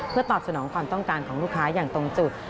เพื่อตอบสนองความต้องการของลูกค้าอย่างตรงจุด